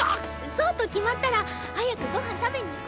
そうと決まったら早くご飯食べに行こ！